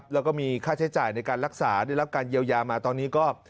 แล้วก็มีค่าใช้จ่ายในการรักษาได้รับการเยียวยามาตอนนี้ก็